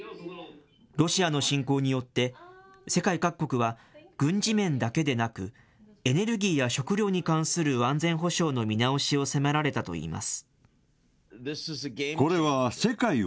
ロシアの侵攻によって、世界各国は軍事面だけでなく、エネルギーや食料に関する安全保障の見直しを迫られたといいます。